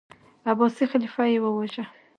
عباسي خلیفه یې وواژه.